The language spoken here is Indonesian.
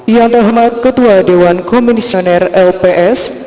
yang terhormat ketua dewan komisioner lps